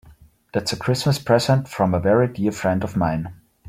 That's a Christmas present from a very dear friend of mine.